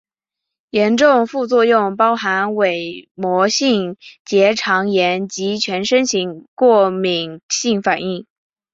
严重副作用包含伪膜性结肠炎及全身型过敏性反应。